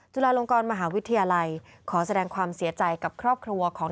จุฬาลงกรมหาวิทยาลัยขอแสดงความเสียใจกับครอบครัวของ